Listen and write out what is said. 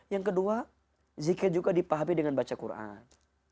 yang kedua zikir juga dipahami dengan baca quran